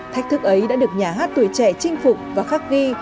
thách thức ấy đã được nhà hát tuổi trẻ chinh phục và khắc ghi